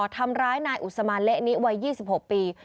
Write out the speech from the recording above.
ทำร้ายนายอุศมานเละนิวัย๒๖ปี